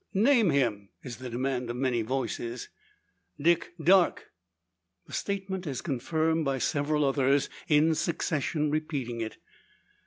"Name him!" is the demand of many voices. "Dick Darke!" The statement is confirmed by several others, in succession repeating it.